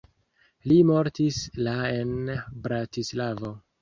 Li mortis la en Bratislavo.